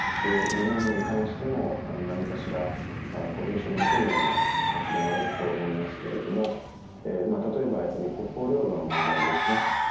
日本に関しても、何かしら印象に残るような発言はあると思いますけれども例えば北方領土の問題ですね。